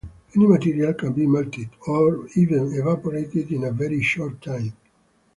Any material can be melted, or even evaporated, in a very short time.